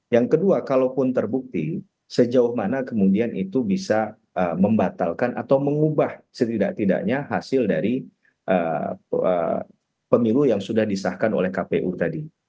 yang kedua kalaupun terbukti sejauh mana kemudian itu bisa membatalkan atau mengubah setidak tidaknya hasil dari pemilu yang sudah disahkan oleh kpu tadi